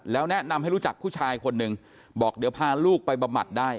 แล้วแนะนำให้รู้จักผู้ชายคนหนึ่งบอกเดี๋ยวพาลูกไปบำบัดได้